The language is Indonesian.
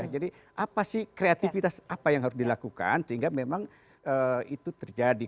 jadi apa sih kreatifitas apa yang harus dilakukan sehingga memang itu terjadi